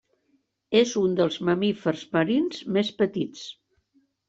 És un dels mamífers marins més petits.